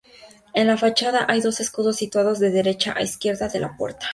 En la fachada hay dos escudos situados a derecha e izquierda de la puerta.